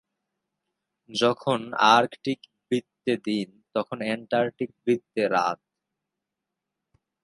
যখন আর্কটিক বৃত্তে দিন তখন অ্যান্টার্কটিক বৃত্তে রাত।